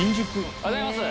おはようございます。